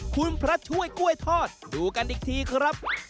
คุณพระช่วยกล้วยทอดดูกันอีกทีครับ